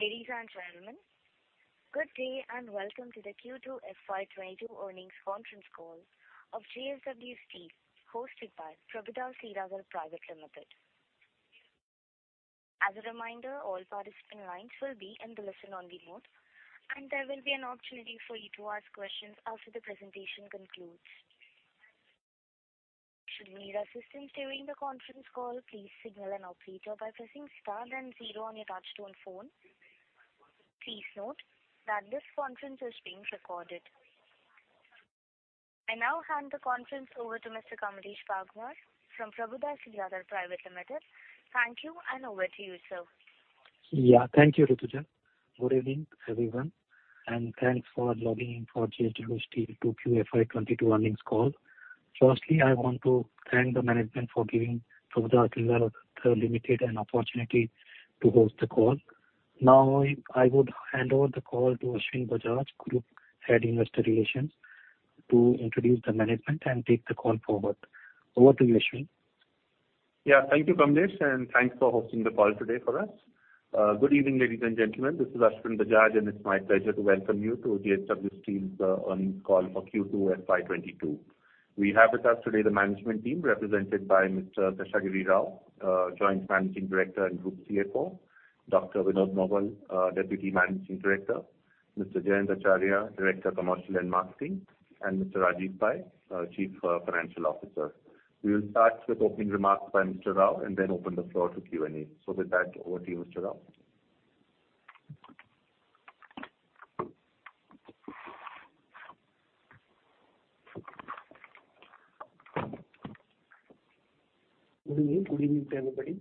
Ladies and gentlemen, good day and welcome to the Q2 FY 2022 earnings conference call of JSW Steel, hosted by Prabhudas Lilladher Private Limited. As a reminder all participants' lines should be on listen only mode and there will be an option to ask questions after the presentation concludes. Should you need assistance during the conference please signal the operator by pressing star the zero on your touch-tone phone. Please note that this call is being recorded. I will now hand the conference over to Mr. Kamlesh Bagmar from Prabhudas Lilladher Private Limited. Thank you, and over to you, sir. Yeah. Thank you, Ritujah. Good evening, everyone, and thanks for logging in for JSW Steel 2Q FY 2022 earnings call. Firstly, I want to thank the management for giving Prabhudas Lilladher Limited an opportunity to host the call. Now, I would hand over the call to Ashwin Bajaj, Group Head, Investor Relations, to introduce the management and take the call forward. Over to you, Ashwin. Thank you, Kamlesh, and thanks for hosting the call today for us. Good evening, ladies and gentlemen. This is Ashwin Bajaj, and it's my pleasure to welcome you to JSW Steel's earnings call for Q2 FY 2022. We have with us today the management team represented by Mr. Seshagiri Rao M.V.S., Joint Managing Director and Group CFO, Dr. Vinod Nowal, Deputy Managing Director, Mr. Jayant Acharya, Director, Commercial and Marketing, and Mr. Rajeev Pai, Chief Financial Officer. We will start with opening remarks by Mr. Rao and then open the floor to Q&A. With that, over to you, Mr. Rao. Good evening to everybody.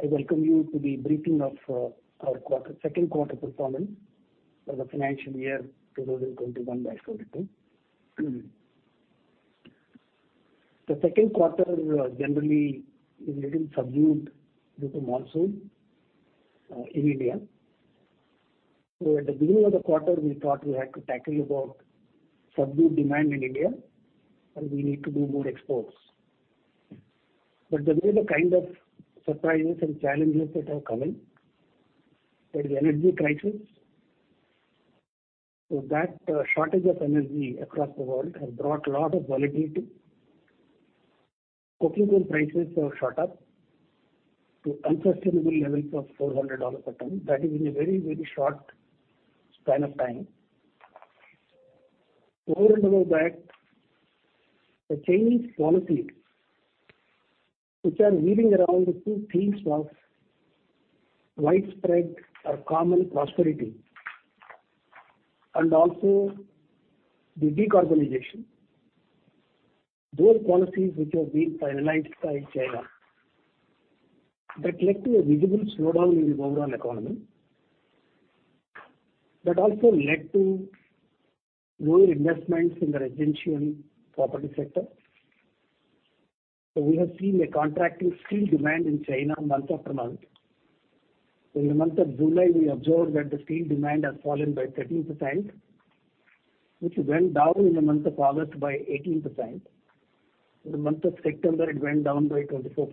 I welcome you to the briefing of our second quarter performance for the financial year 2021,2022. The second quarter generally is little subdued due to monsoon in India. At the beginning of the quarter, we thought we had to tackle about subdued demand in India, and we need to do more exports. There were the kind of surprises and challenges that have come in, there's energy crisis. That shortage of energy across the world has brought a lot of volatility. coking coal prices have shot up to unsustainable levels of $400 a ton. That is in a very short span of time. Over and above that, the Chinese policies, which are weaving around the two themes of widespread or common prosperity, and also the decarbonization. Those policies which have been finalized by China, that led to a visible slowdown in the overall economy. That also led to lower investments in the residential property sector. We have seen a contracting steel demand in China month after month. In the month of July, we observed that the steel demand has fallen by 13%, which went down in the month of August by 18%. In the month of September, it went down by 24%.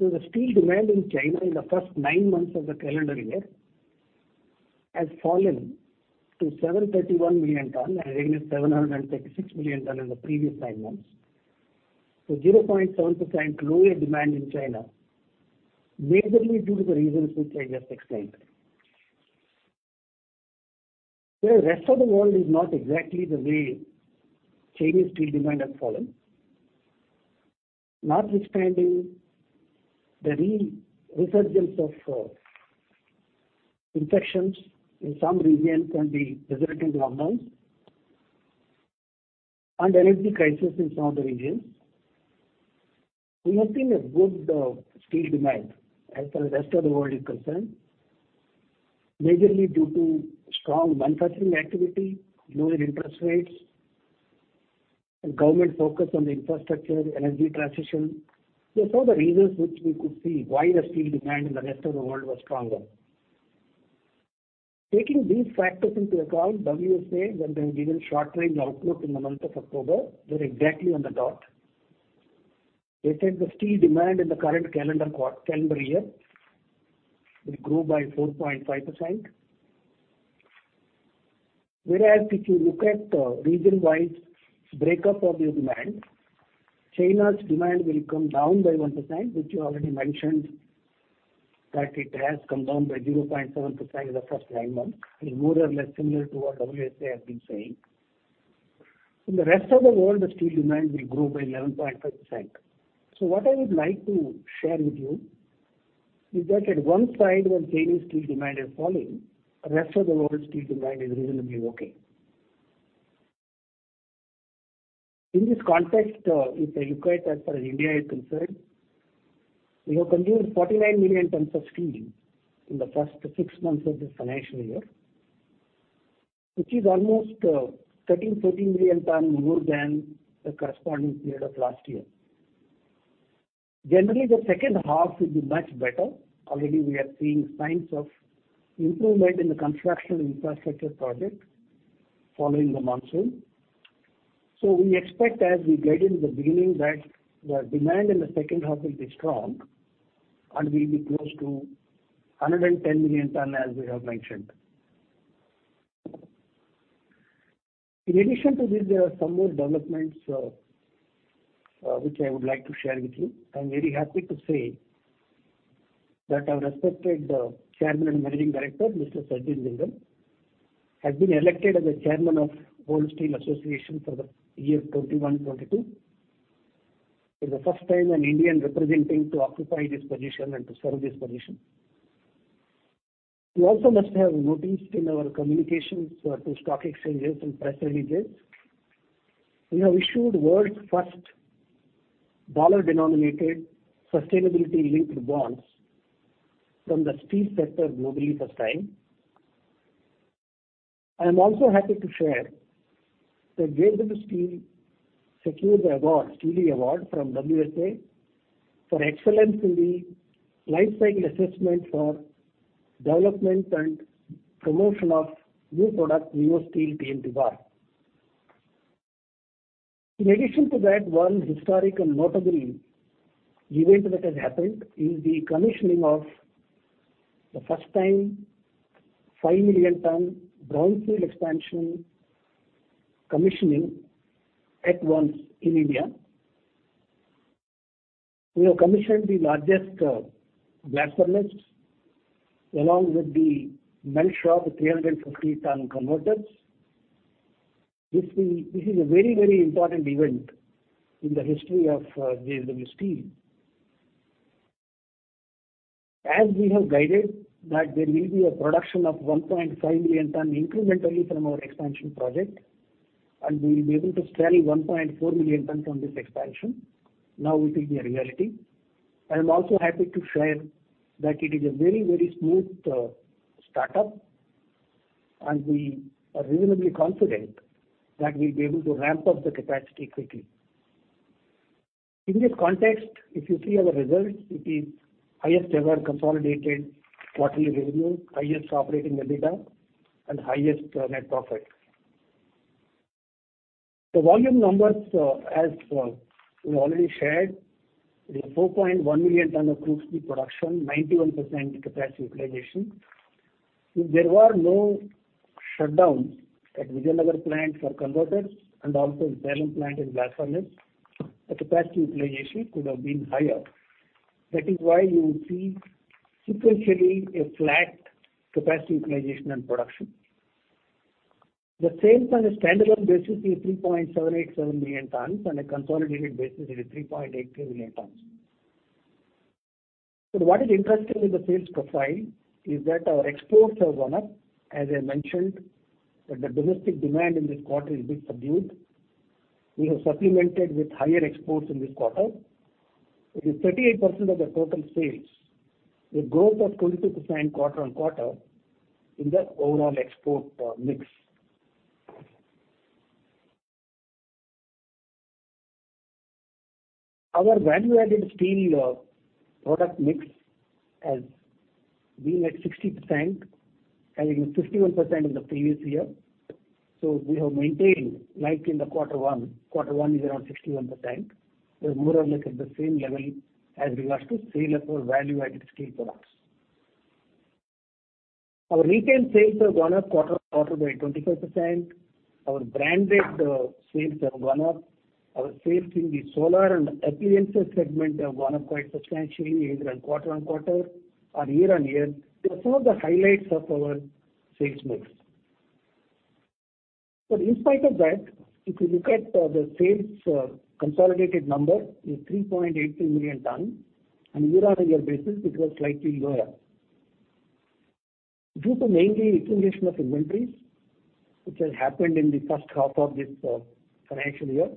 The steel demand in China in the first nine months of the calendar year has fallen to 731 million ton as against 736 million ton in the previous nine months. 0.7% lower demand in China, majorly due to the reasons which I just explained. The rest of the world is not exactly the way Chinese steel demand has fallen. Notwithstanding the resurgence of infections in some regions and the resulting lockdowns, and energy crisis in some of the regions, we have seen a good steel demand as far as rest of the world is concerned, majorly due to strong manufacturing activity, lower interest rates, and government focus on the infrastructure, energy transition. These are the reasons which we could see why the steel demand in the rest of the world was stronger. Taking these factors into account, WSA, when they gave a short range outlook in the month of October, were exactly on the dot. They said the steel demand in the current calendar year will grow by 4.5%. If you look at region-wise breakup of the demand, China's demand will come down by 1%, which we already mentioned that it has come down by 0.7% in the first nine months, is more or less similar to what WSA have been saying. In the rest of the world, the steel demand will grow by 11.5%. What I would like to share with you is that at one side where Chinese steel demand is falling, rest of the world's steel demand is reasonably okay. In this context, if you look at as far as India is concerned, we have consumed 49 million tons of steel in the first six months of this financial year, which is almost 13 million-14 million tons more than the corresponding period of last year. Generally, the second half will be much better. Already we are seeing signs of improvement in the construction infrastructure project following the monsoon. We expect as we guided in the beginning that the demand in the second half will be strong, and we'll be close to 110 million ton as we have mentioned. In addition to this, there are some more developments which I would like to share with you. I'm very happy to say that our respected Chairman and Managing Director, Mr. Sajjan Jindal, has been elected as the Chairman of World Steel Association for the year 2021,2022. It's the first time an Indian representing to occupy this position and to serve this position. You also must have noticed in our communications to stock exchanges and press releases, we have issued world's first dollar-denominated sustainability-linked bonds from the steel sector globally for the first time. I am also happy to share that JSW Steel secured the Steelie Award from WSA for excellence in the life cycle assessment for development and promotion of new product, JSW Neosteel TMT Bar. In addition to that, one historic and notable event that has happened is the commissioning of the first time 5 million tons brownfield expansion commissioning at once in India. We have commissioned the largest blast furnace along with the melt shop 350 tons converters. This is a very important event in the history of JSW Steel. As we have guided that there will be a production of 1.5 million tons incrementally from our expansion project, and we will be able to sell 1.4 million tons from this expansion. Now it will be a reality. I am also happy to share that it is a very smooth startup, and we are reasonably confident that we will be able to ramp up the capacity quickly. In this context, if you see our results, it is highest ever consolidated quarterly revenue, highest operating EBITDA, and highest net profit. The volume numbers, as we have already shared, is 4.1 million tons of crude steel production, 91% capacity utilization. If there were no shutdowns at Vijayanagar plant for converters and also Salem plant and blast furnace, the capacity utilization could have been higher. That is why you would see sequentially a flat capacity utilization and production. The sales on a standalone basis is 3.787 million tons. On a consolidated basis, it is 3.83 million tons. What is interesting in the sales profile is that our exports have gone up. As I mentioned, that the domestic demand in this quarter is bit subdued. We have supplemented with higher exports in this quarter. It is 38% of the total sales, a growth of 22% quarter-on-quarter in the overall export mix. Our value-added steel product mix has been at 60%, having been 51% in the previous year. We have maintained like in the quarter one. Quarter one is around 61%. We are more or less at the same level as regards to sales of our value-added steel products. Our retail sales have gone up quarter-on-quarter by 25%. Our branded sales have gone up. Our sales in the solar and appliances segment have gone up quite substantially either on quarter-on-quarter or year-on-year. These are some of the highlights of our sales mix. In spite of that, if you look at the sales consolidated number is 3.83 million tons. On a year-over-year basis, it was slightly lower due to mainly accumulation of inventories, which has happened in the first half of this financial year.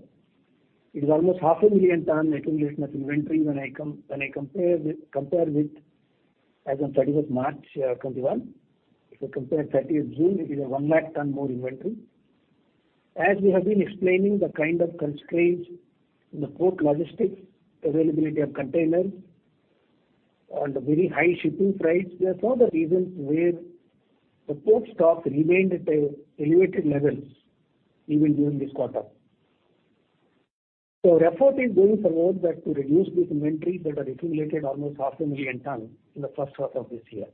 It is almost half a million tons accumulation of inventory when I compare with as on March 30, 2021. If I compare 30th June, it is a 1 lakh tons more inventory. As we have been explaining the kind of constraints in the port logistics, availability of containers, and the very high shipping price, they are some of the reasons where the port stock remained at elevated levels even during this quarter. Our effort is going forward that to reduce these inventories that are accumulated almost half a million tons in the first half of this year.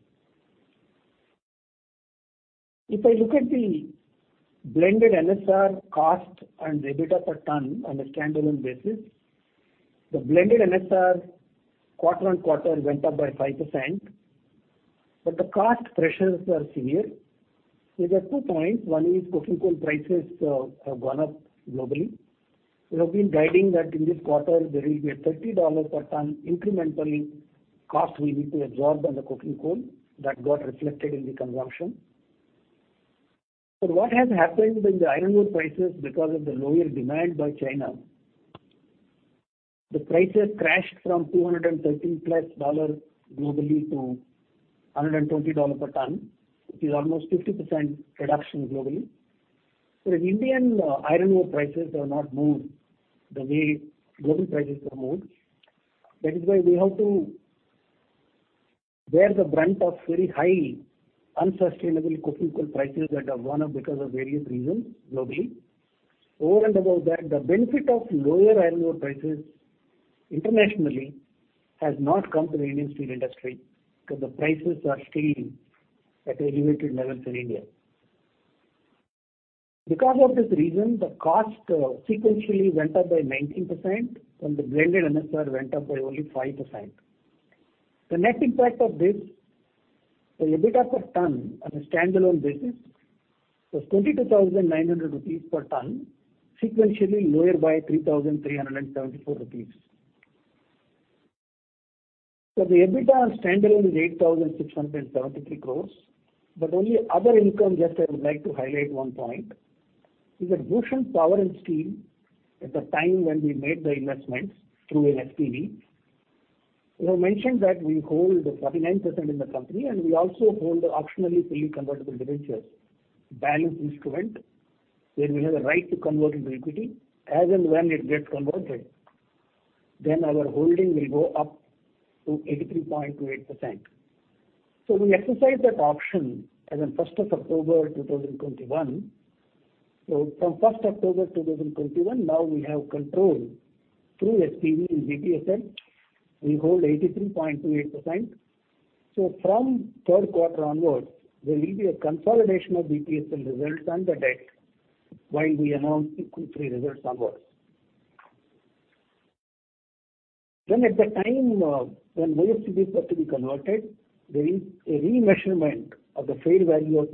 If I look at the blended NSR cost and EBITDA per ton on a standalone basis, the blended NSR quarter-on-quarter went up by 5%. The cost pressures are severe. These are two points. One is coking coal prices have gone up globally. We have been guiding that in this quarter, there will be a $30 per ton incrementally cost we need to absorb on the coking coal that got reflected in the consumption. What has happened in the iron ore prices because of the lower demand by China, the prices crashed from $213+ globally to $120 per ton, which is almost 50% reduction globally. As Indian iron ore prices have not moved the way global prices have moved, that is why we have to bear the brunt of very high unsustainable coking coal prices that have gone up because of various reasons globally. Over and above that, the benefit of lower iron ore prices internationally has not come to the Indian steel industry because the prices are still at elevated levels in India. Because of this reason, the cost sequentially went up by 19% when the blended NSR went up by only 5%. The net impact of this, the EBITDA per ton on a standalone basis was 22,900 rupees per ton, sequentially lower by 3,374 rupees. The EBITDA standalone is 8,673 crores. Only other income, just I would like to highlight one point, is that Bhushan Power and Steel at the time when we made the investments through an SPV. We have mentioned that we hold 49% in the company and we also hold Optionally Fully Convertible Debentures, balance instrument, where we have a right to convert into equity. As and when it gets converted, our holding will go up to 83.28%. We exercised that option as on 1st of October 2021. From October 1st, 2021, now we have control through SPV in BPSL. We hold 83.28%. From third quarter onwards, there will be a consolidation of BPSL results and the debt while we announce Q3 results onwards. At the time when OFCDs were to be converted, there is a remeasurement of the fair value of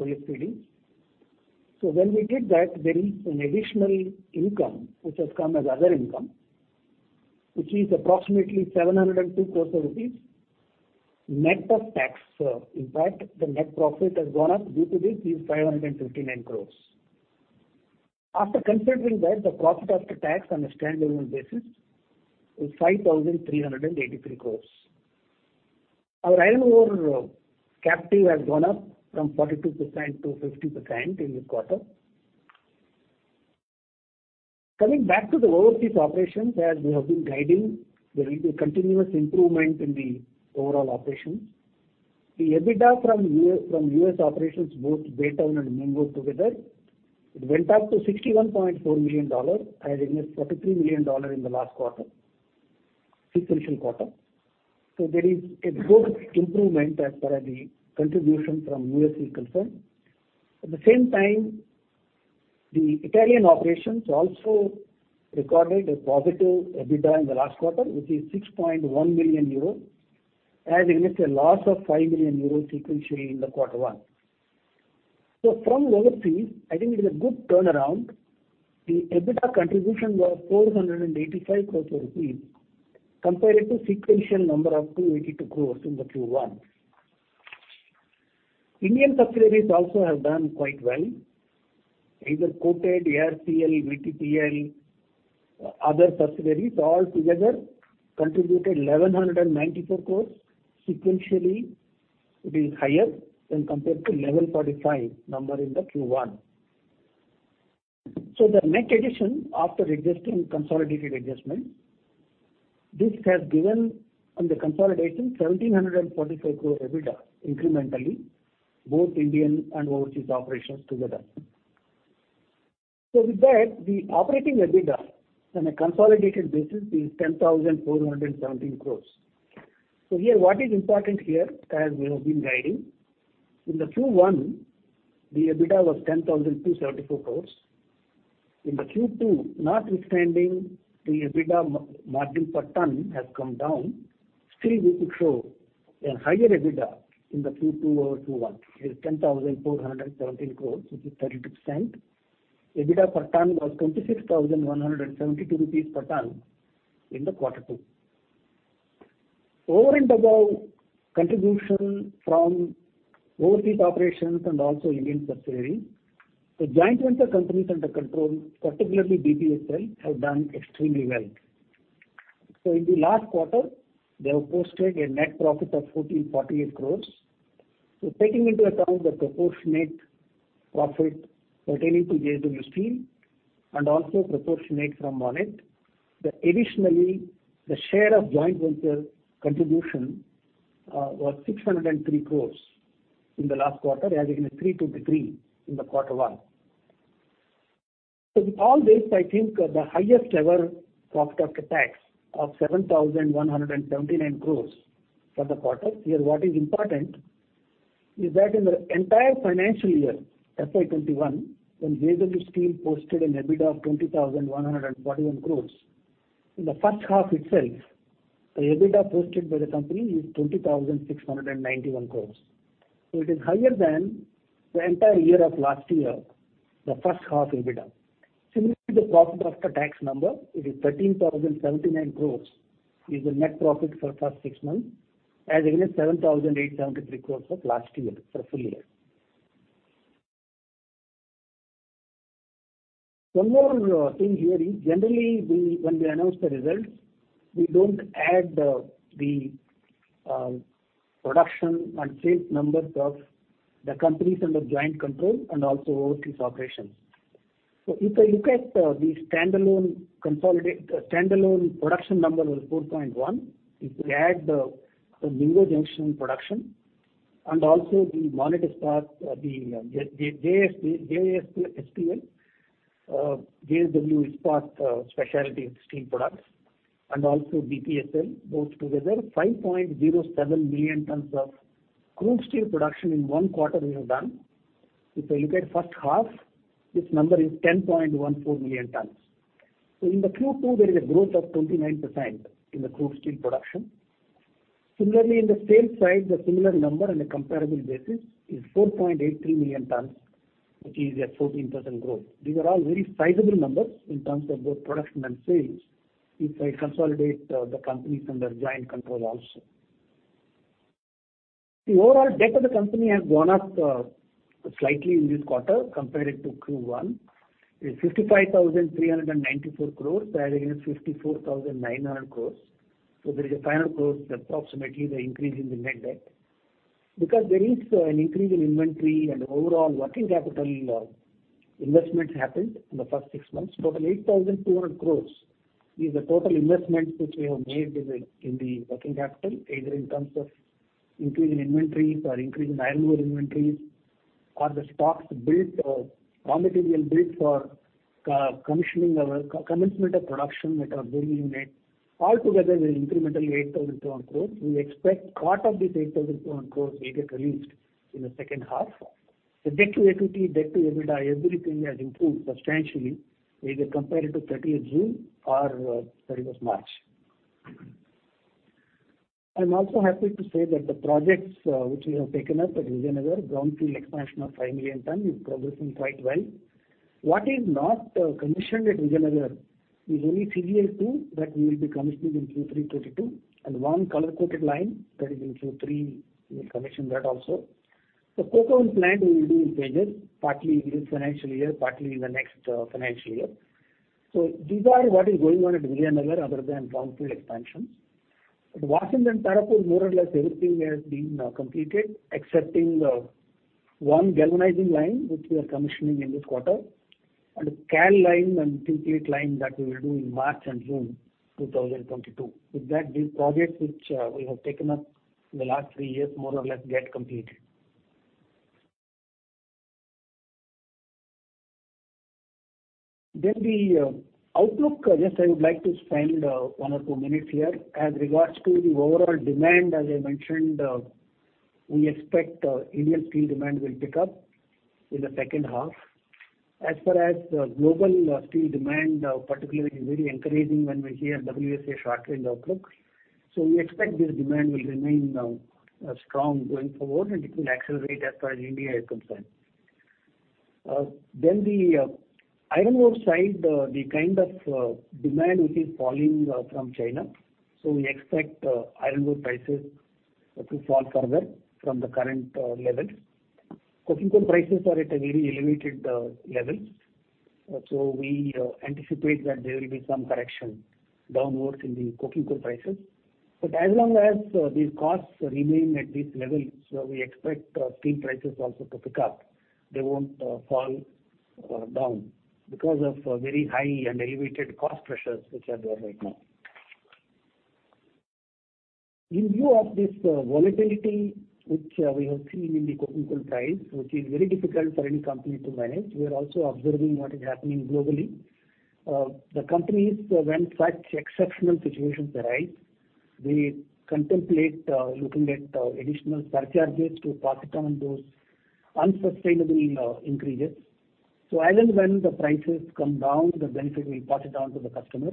OFCDs. When we did that, there is an additional income which has come as other income, which is approximately 702 crores rupees net of tax. The net profit has gone up due to this is 559 crore. After considering that, the profit after tax on a standalone basis is 5,383 crore. Our iron ore captive has gone up from 42% to 50% in this quarter. Coming back to the overseas operations, as we have been guiding, there is a continuous improvement in the overall operations. The EBITDA from U.S. operations, both Baytown and Mingo together, it went up to $61.4 million as against $43 million in the last quarter, sequential quarter. There is a good improvement as per the contribution from U.S. is concerned. At the same time, the Italian operations also recorded a positive EBITDA in the last quarter, which is 6.1 million euros, as against a loss of 5 million euros sequentially in the quarter one. From overseas, I think it is a good turnaround. The EBITDA contribution was 485 crore rupees compared to sequential number of 282 crores in the Q1. Indian subsidiaries also have done quite well. Either Coated, ARCL, VTPL, other subsidiaries, all together contributed 1,194 crores. Sequentially, it is higher when compared to 1,145 in the Q1. The net addition after adjusting consolidated adjustments, this has given on the consolidating 1,745 crore EBITDA incrementally, both Indian and overseas operations together. With that, the operating EBITDA on a consolidated basis is 10,417 crores. Here, what is important here, as we have been guiding, in the Q1, the EBITDA was 10,274 crores. In the Q2, notwithstanding the EBITDA margin per ton has come down, still we could show a higher EBITDA in the Q2 over Q1 is 10,417 crores, which is 32%. EBITDA per ton was 26,172 rupees per ton in the quarter two. Over and above contribution from overseas operations and also Indian subsidiaries, the joint venture companies under control, particularly BPSL, have done extremely well. In the last quarter, they have posted a net profit of 1,448 crore. Taking into account the proportionate profit pertaining to JSW Steel and also proportionate from Monnet, additionally, the share of joint venture contribution was 603 crore in the last quarter as against 323 crore in the quarter one. With all this, I think the highest ever profit after tax of 7,179 crore for the quarter. Here, what is important is that in the entire financial year, FY 2021, when JSW Steel posted an EBITDA of 20,141 crore. In the first half itself, the EBITDA posted by the company is 20,691 crore. It is higher than the entire year of last year, the first half EBITDA. Similarly, the profit after tax number, it is 13,079 crore is the net profit for first 6 months as against 7,873 crore of last year for full year. One more thing here is generally when we announce the results, we don't add the production and sales numbers of the companies under joint control and also overseas operations. If you look at the standalone production number was 4.1. If you add the Mingo Junction production and also the Monnet Ispat, the JSW Steel, JSW Ispat Special Products, and also BPSL, both together, 5.07 million tons of crude steel production in one quarter we have done. If I look at the first half, this number is 10.14 million tons. In the Q2, there is a growth of 29% in the crude steel production. Similarly, in the sales side, the similar number on a comparable basis is 4.83 million tons, which is a 14% growth. These are all very sizable numbers in terms of both production and sales if I consolidate the companies under joint control also. The overall debt of the company has gone up slightly in this quarter compared to Q1, is 55,394 crore rather than 54,900 crore. There is a 500 crore approximately the increase in the net debt. There is an increase in inventory and overall working capital investment happened in the first six months. Total 8,200 crore is the total investment which we have made in the working capital, either in terms of increase in inventories or increase in iron ore inventories or the stocks built or raw material built for commencement of production that are building in it. Altogether is incrementally 8,200 crore. We expect part of this 8,200 crore will get released in the second half. The debt-to-equity, debt-to-EBITDA, everything has improved substantially either compared to 30th June or 31st March. I'm also happy to say that the projects which we have taken up at Vijayanagar, brownfield expansion of 5 million tons, is progressing quite well. What is not commissioned at Vijayanagar is only CGL2 that we will be commissioning in Q3 2022, and one color-coated line that is in Q3, we'll commission that also. The coke oven plant we will do in phases, partly in this financial year, partly in the next financial year. These are what is going on at Vijayanagar other than brownfield expansion. At Vasind and Tarapur, more or less everything has been completed except in one galvanizing line which we are commissioning in this quarter. CAL line and tin plate line that we will do in March and June 2022. With that, these projects which we have taken up in the last three years more or less get completed. The outlook, yes, I would like to spend one or two minutes here. As regards to the overall demand, as I mentioned, we expect Indian steel demand will pick up in the second half. As far as global steel demand, particularly very encouraging when we hear WSA short range outlook. We expect this demand will remain strong going forward and it will accelerate as far as India is concerned. The iron ore side, the kind of demand which is falling from China. We expect iron ore prices to fall further from the current levels. Coking coal prices are at a very elevated level. We anticipate that there will be some correction downwards in the coking coal prices. As long as these costs remain at this level, we expect steel prices also to pick up. They won't fall down because of very high and elevated cost pressures which are there right now. In view of this volatility which we have seen in the coking coal price, which is very difficult for any company to manage, we are also observing what is happening globally. The companies, when such exceptional situations arise, they contemplate looking at additional surcharges to pass on those unsustainable increases. As and when the prices come down, the benefit will pass it down to the customer.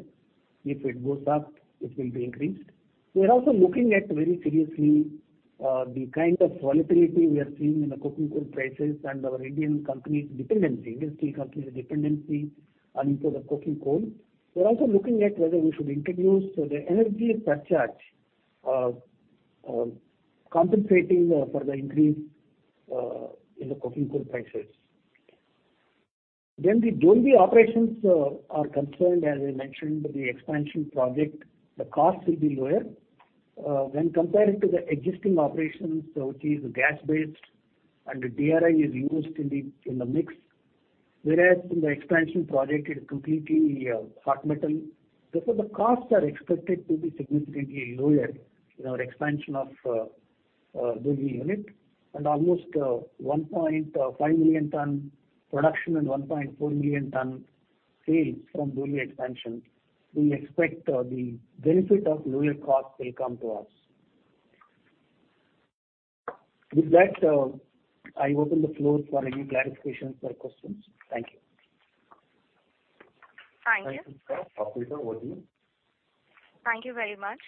If it goes up, it will be increased. We are also looking at very seriously the kind of volatility we are seeing in the coking coal prices and our Indian steel companies dependency on input of coking coal. We're also looking at whether we should introduce the energy surcharge compensating for the increase in the coking coal prices. The Dolvi operations are concerned, as I mentioned, the expansion project, the cost will be lower. When comparing to the existing operations, which is gas-based and the DRI is used in the mix, whereas in the expansion project it is completely hot metal. The costs are expected to be significantly lower in our expansion of Dolvi unit and almost 1.5 million ton production and 1.4 million ton sales from Dolvi expansion. We expect the benefit of lower cost will come to us. With that, I open the floor for any clarifications or questions. Thank you. Thank you. Operator, over to you. Thank you very much.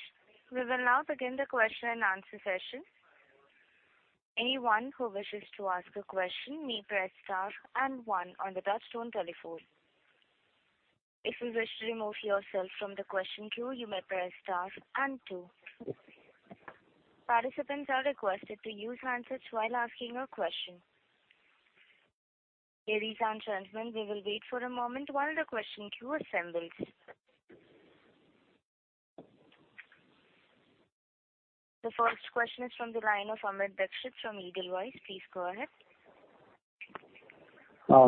We will now begin the question and answer session. Anyone who wishes to ask a question may press star and one on the touchtone telephone. If you wish to remove yourself from the question queue, you may press star and two. Participants are requested to use handsets while asking a question. Ladies and gentlemen, we will wait for a moment while the question queue assembles. The first question is from the line of Amit Dixit from Edelweiss. Please go ahead.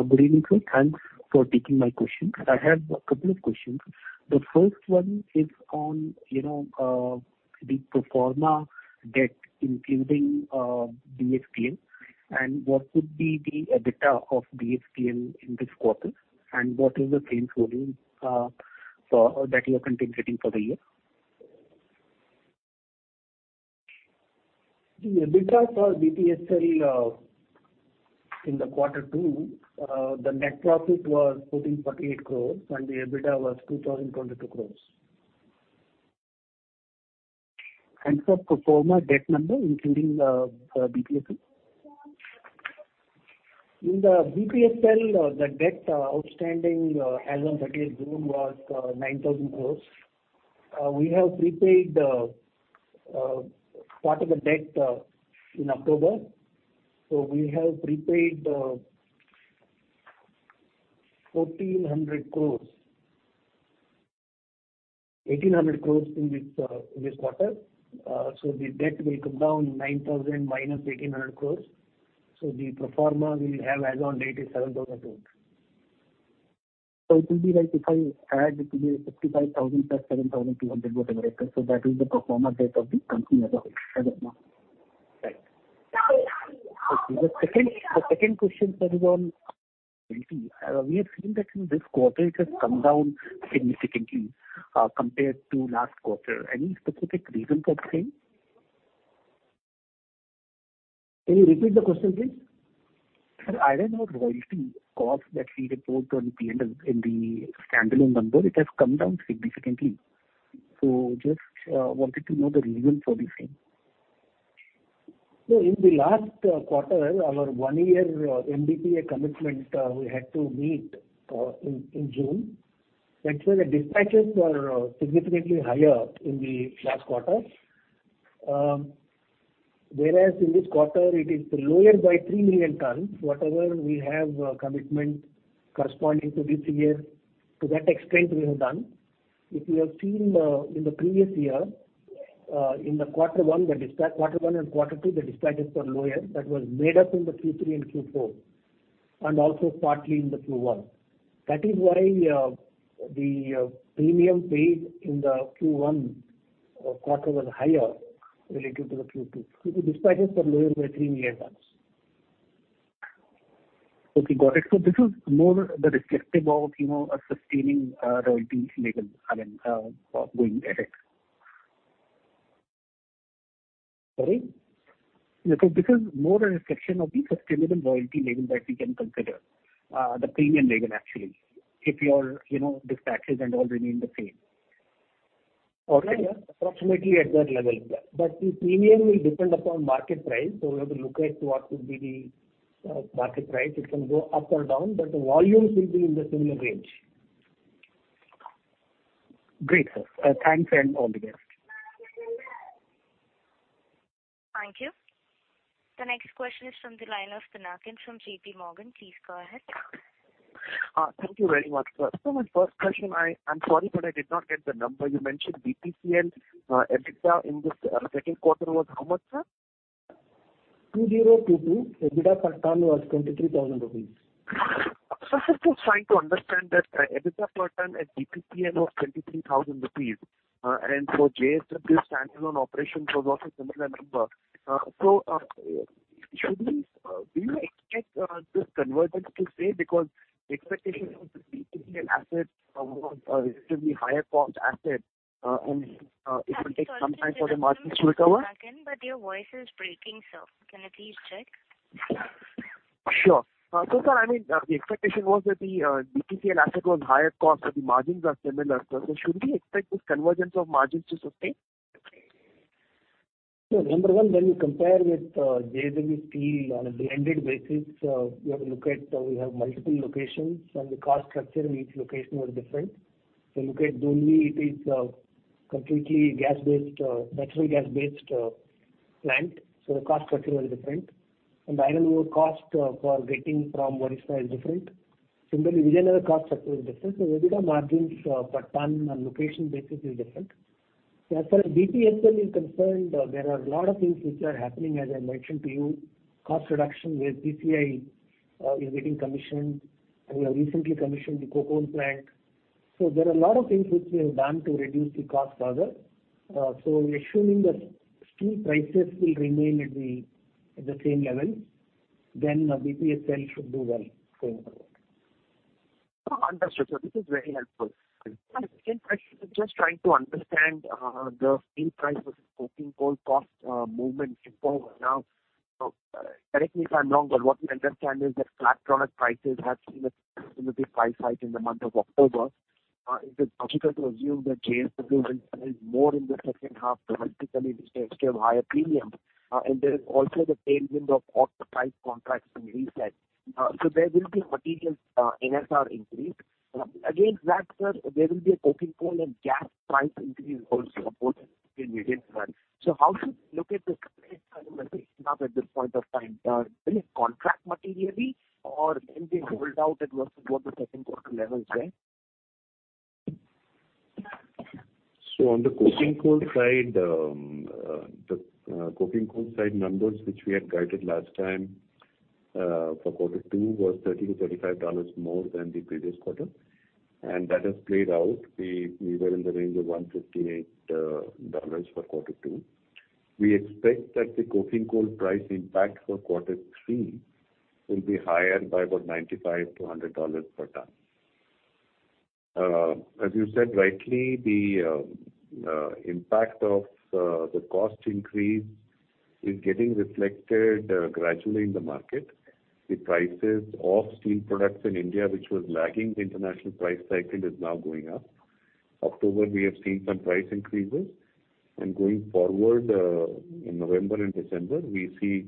Good evening, sir. Thanks for taking my question. I have a couple of questions. The first one is on the pro forma debt, including BPSL. What would be the EBITDA of BPSL in this quarter, and what is the same that you are contemplating for the year? The EBITDA for BPSL in the quarter two, the net profit was 1,448 crores, and the EBITDA was 2,022 crores. And sir, pro forma debt number, including the BPSL. In the BPSL, the debt outstanding as on 30th June was 9,000 crores. We have prepaid part of the debt in October. We have prepaid 1400 crores. 1,800 crores in this quarter. The debt will come down 9,000 minus 1,800 crores. The pro forma will have as on date is 7,200. It will be like if I add it to the 55,000 plus 7,200, whatever it is. That is the pro forma debt of the company as a whole. As of now. Right. The second question, sir. We have seen that in this quarter, it has come down significantly compared to last quarter. Any specific reason for the same? Can you repeat the question, please? Sir, iron ore royalty cost that we report on P&L in the standalone numbers, it has come down significantly. Just wanted to know the reason for the same. In the last quarter, our one year MBPA commitment we had to meet in June. That's why the dispatches were significantly higher in the last quarter. In this quarter it is lower by 3 million tons. Whatever we have commitment corresponding to this year, to that extent we have done. If you have seen in the previous year, in the quarter one and quarter two, the dispatches were lower. That was made up in the Q3 and Q4, and also partly in the Q1. That is why the premium paid in the Q1 quarter was higher relative to the Q2. The dispatches were lower by 3 million tons. Okay, got it. This is more the reflective of a sustaining royalty going ahead. Sorry. This is more a reflection of the sustainable royalty level that we can consider, the premium level actually, if your dispatches and all remain the same. Okay. Approximately at that level. The premium will depend upon market price. We have to look at what would be the market price. It can go up or down, but the volumes will be in the similar range. Great, sir. Thanks and all the best. Thank you. The next question is from the line of Pinakin Parekh from JPMorgan. Please go ahead. Thank you very much, sir. My first question, I'm sorry, but I did not get the number. You mentioned BPSL EBITDA in this second quarter was how much, sir? 2022, EBITDA per ton was INR 23,000. Sir, just trying to understand that EBITDA per ton at BPSL was 23,000 rupees, and for JSW Steel standalone operation was also similar number. Do you expect this convergence to stay because expectation was that the asset was a relatively higher cost asset, and it will take some time for the margins to recover. Sorry to interrupt you, Pinakin, but your voice is breaking, sir. Can you please check? Sure. Sir, the expectation was that the BPSL asset was higher cost, so the margins are similar, sir. Should we expect this convergence of margins to sustain? Number one, when you compare with JSW Steel on a blended basis, you have to look at, we have multiple locations and the cost structure in each location was different. Look at Dolvi, it is completely natural gas based plant, so the cost structure was different. The iron ore cost for getting from Odisha is different. Similarly, Vizag cost structure is different. EBITDA margins per ton on location basis is different. As far as BPSL is concerned, there are a lot of things which are happening, as I mentioned to you, cost reduction where PCI is getting commissioned. We have recently commissioned the coke oven plant. There are a lot of things which we have done to reduce the cost further. Assuming that steel prices will remain at the same level, then BPSL should do well going forward. Understood, sir. This is very helpful. My second question is just trying to understand the steel price versus coking coal cost movement going forward. Correct me if I'm wrong, but what we understand is that flat product prices have seen a significant price hike in the month of October. Is it logical to assume that JSW will sell more in the second half to basically take care of higher premium? There is also the tailwind of off price contracts in reset. There will be a material NSR increase. Against that, sir, there will be a coking coal and gas price increase also, both of which in mid-term. How should we look at this point of time? Will it contract materially or will it hold out at more toward the second quarter levels there? On the coking coal side, the numbers which we had guided last time for Q2 was $30-$35 more than the previous quarter. That has played out. We were in the range of $158 for Q2. We expect that the coking coal price impact for Q3 will be higher by about $95-$100 per ton. As you said rightly, the impact of the cost increase is getting reflected gradually in the market. The prices of steel products in India, which was lagging the international price cycle, is now going up. October, we have seen some price increases. Going forward, in November and December, we see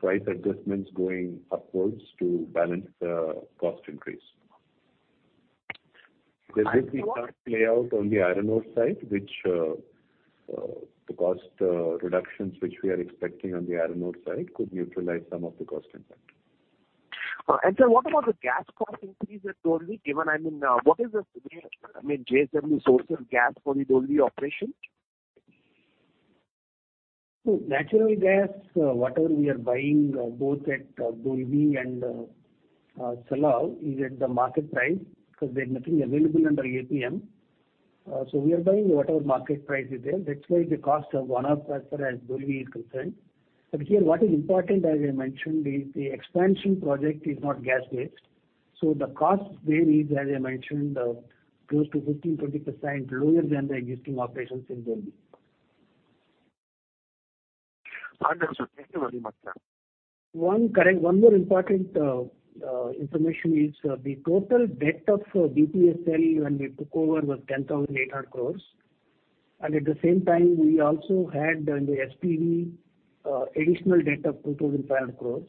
price adjustments going upwards to balance the cost increase. This we can play out on the iron ore side, the cost reductions which we are expecting on the iron ore side could neutralize some of the cost impact. Sir, what about the gas cost increase at Dolvi? What is the way JSW sources gas for the Dolvi operation? Natural gas, whatever we are buying both at Dolvi and Salem is at the market price because there's nothing available under APM. We are buying whatever market price is there. That's why the cost of one-off as far as Dolvi is concerned. Here, what is important, as I mentioned, is the expansion project is not gas-based. The cost there is, as I mentioned, close to 15%-20% lower than the existing operations in Dolvi. Understood. Thank you very much, sir. One more important information is the total debt of BPSL when we took over was 10,800 crores. At the same time, we also had in the SPV additional debt of 2,500 crores.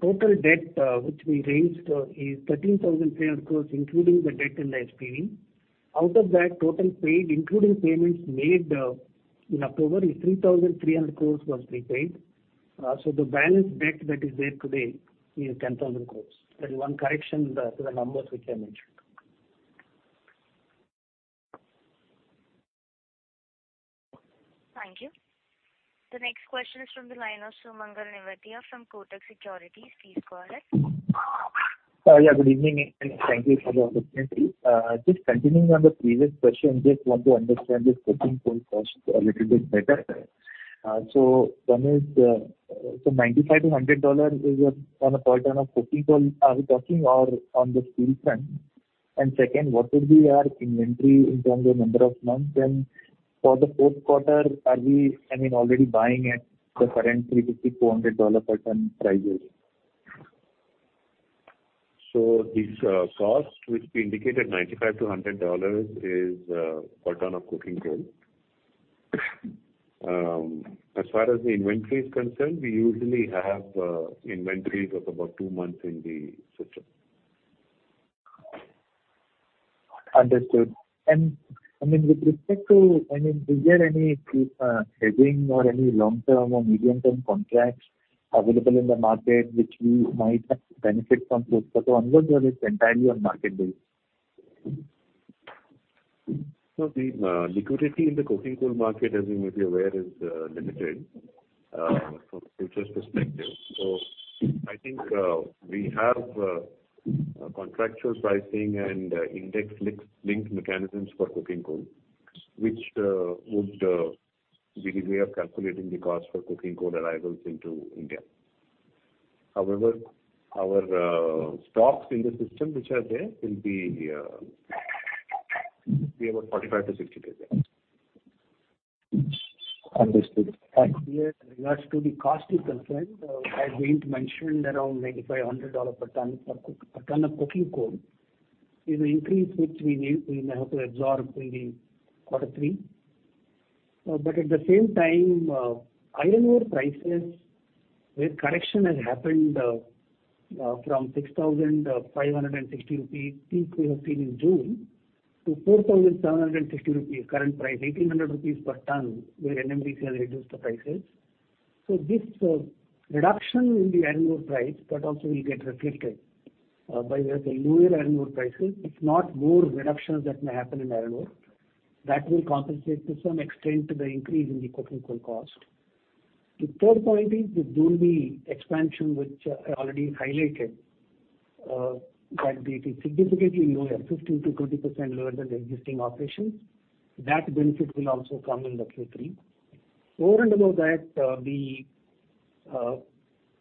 Total debt which we raised is 13,300 crores, including the debt in the SPV. Out of that total paid, including payments made in October is 3,300 crores was repaid. The balance debt that is there today is 10,000 crores. That is one correction to the numbers which I mentioned. Thank you. The next question is from the line of Sumangal Nevatia from Kotak Securities. Please go ahead. Good evening, and thank you for the opportunity. Just continuing on the previous question, just want to understand this coking coal cost a little bit better. One is, $95-$100 is on a per ton of coking coal are we talking or on the steel front? Second, what will be our inventory in terms of number of months? For the fourth quarter, are we already buying at the current $350, $400 per ton prices? This cost, which we indicated $95-$100, is per ton of coking coal. As far as the inventory is concerned, we usually have inventories of about two months in the system. Understood. With respect to, is there any hedging or any long-term or medium-term contracts available in the market which we might benefit from this quarter? Or is this entirely on market-based? The liquidity in the coking coal market, as you may be aware, is limited from a futures perspective. I think we have contractual pricing and index linked mechanisms for coking coal, which would be the way of calculating the cost for coking coal arrivals into India. However, our stocks in the system which are there will be about 45 to 60 days. Understood. Thank you. As to the cost is concerned, as Vinod Nowal mentioned, around $95-$100 per ton of coking coal is an increase which we may have to absorb in the quarter three. At the same time, iron ore prices, where correction has happened from 6,560 rupees, peak we have seen in June, to 4,760 rupees current price, 1,800 rupees per ton, where NMDC has reduced the prices. This reduction in the iron ore price, that also will get reflected by way of the lower iron ore prices. It's not more reductions that may happen in iron ore. That will compensate to some extent the increase in the coking coal cost. The third point is the Dolvi expansion, which I already highlighted, that it is significantly lower, 15%-20% lower than the existing operations. That benefit will also come in the Q3. Over and above that, the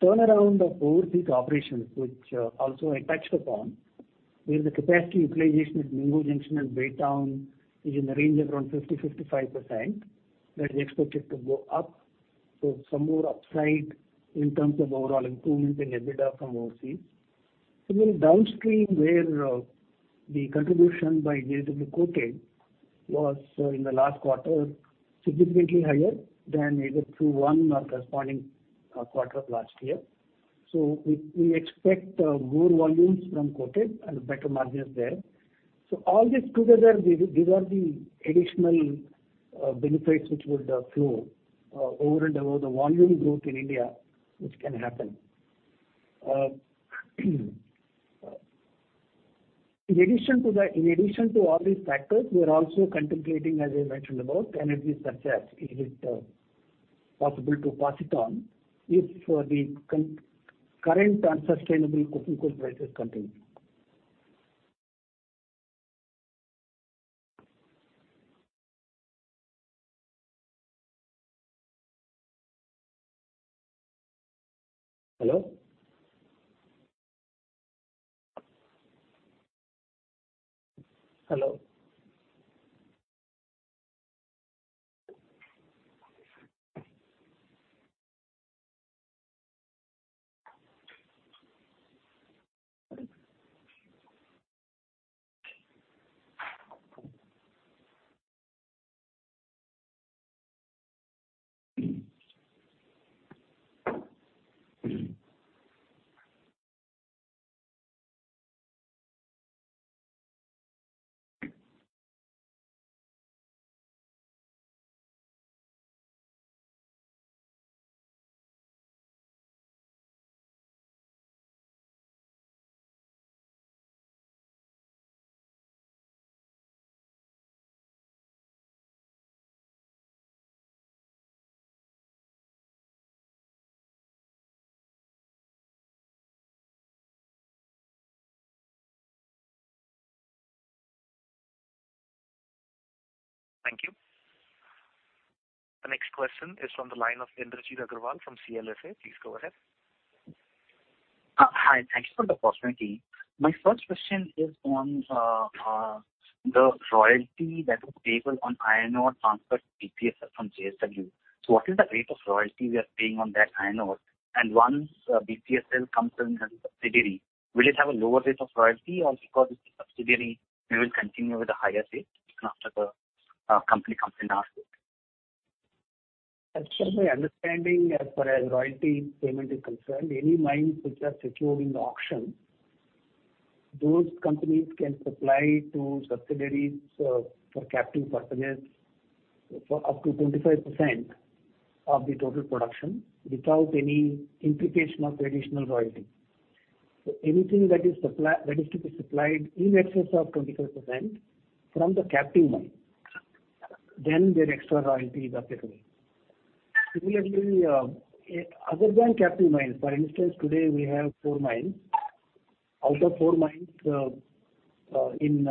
turnaround of overseas operations, which also I touched upon, where the capacity utilization at Mingo Junction and Baytown is in the range of around 50%, 55%. That is expected to go up. Some more upside in terms of overall improvement in EBITDA from overseas. Similarly downstream, where the contribution by JSW Coated was in the last quarter, significantly higher than either Q1 or corresponding quarter of last year. We expect more volumes from Coated and better margins there. All this together, these are the additional benefits which would flow over and above the volume growth in India, which can happen. In addition to all these factors, we are also contemplating, as I mentioned about, can it be success? Is it possible to pass it on if the current unsustainable coking coal prices continue? Thank you. The next question is from the line of Indrajit Agarwal from CLSA. Please go ahead. Hi. Thanks for the opportunity. My first question is on the royalty that was payable on iron ore transferred to BPSL from JSW. What is the rate of royalty we are paying on that iron ore? Once BPSL comes in as a subsidiary, will it have a lower rate of royalty or because it's a subsidiary, we will continue with the higher rate after the company comes in our way? As per my understanding, as per royalty payment is concerned, any mines which are secured in the auction, those companies can supply to subsidiaries for captive customers for up to 25% of the total production without any implication of additional royalty. Anything that is to be supplied in excess of 25% from the captive mine, then their extra royalty is applicable. Similarly, other than captive mines, for instance, today we have four mines. Out of four mines, in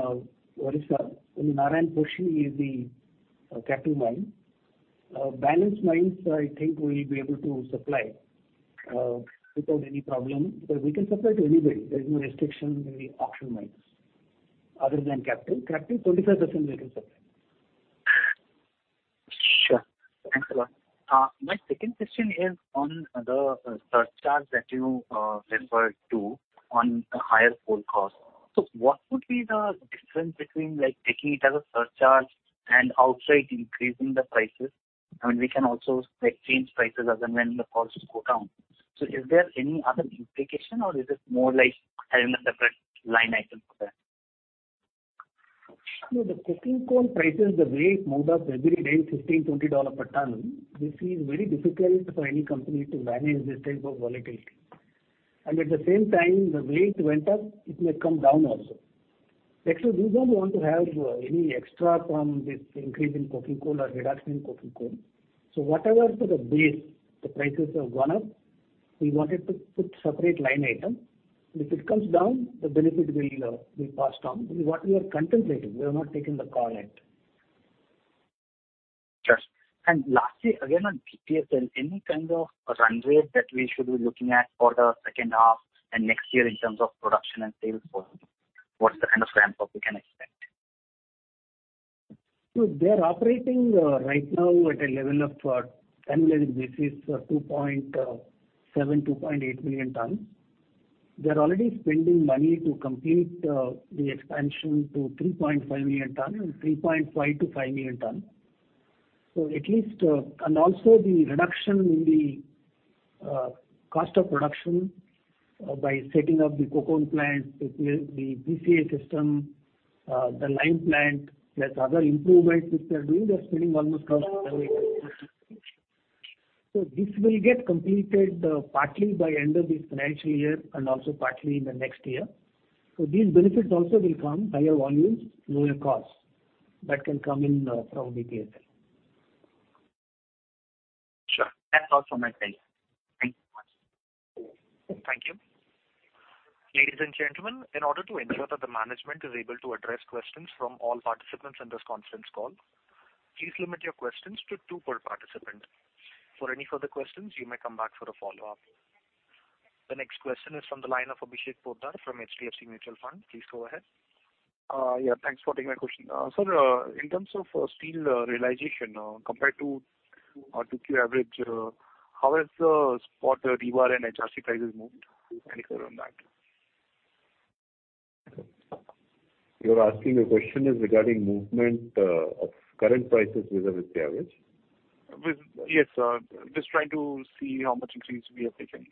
Odisha, only Narayanposhi is the captive mine. Balance mines, I think we'll be able to supply without any problem, because we can supply to anybody. There's no restriction in the auction mines other than captive. Captive, 25% we can supply. Sure. Thanks a lot. My second question is on the surcharge that you referred to on the higher coal cost. What would be the difference between taking it as a surcharge and outright increasing the prices? I mean, we can also change prices as and when the costs go down. Is there any other implication or is it more like having a separate line item for that? The coking coal prices, the way it moved up every day, $15, $20 per ton, this is very difficult for any company to manage this type of volatility. At the same time, the way it went up, it may come down also. Actually, we don't want to have any extra from this increase in coking coal or reduction in coking coal. Whatever the base, the prices have gone up, we wanted to put separate line item. If it comes down, the benefit will be passed on. This is what we are contemplating. We have not taken the call yet. Sure. Lastly, again on BPSL, any kind of runway that we should be looking at for the second half and next year in terms of production and sales volume? What's the kind of ramp-up we can expect? They're operating right now at a level of, annualized basis, 2.7 million-2.8 million tonnes. They're already spending money to complete the expansion to 3.5 million tonnes and 3.5 million-5 million tonnes. The reduction in the cost of production by setting up the coke oven plant, the BCA system, the lime plant, plus other improvements which they are doing, they are spending almost INR 1,000. This will get completed partly by end of this financial year and also partly in the next year. These benefits also will come, higher volumes, lower costs, that can come in from BPSL. Sure. That's all from my side. Thank you much. Thank you. Ladies and gentlemen, in order to ensure that the management is able to address questions from all participants in this conference call, please limit your questions to two per participant. For any further questions, you may come back for a follow-up. The next question is from the line of Abhishek Potdar from HDFC Mutual Fund. Please go ahead. Yeah, thanks for taking my question. Sir, in terms of steel realization, compared to Q2 average, how has the spot rebar and HRC prices moved? Any color on that? You're asking, your question is regarding movement of current prices with average? Yes, sir. Just trying to see how much increase we have taken.